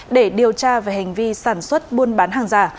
để điều tra về hành vi sản xuất buôn bán hàng giả